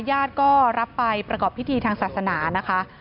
ญาติก็รับไปประกอบพิธีทางศาสนานะคะ